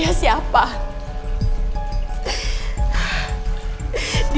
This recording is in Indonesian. tapi musuh aku bobby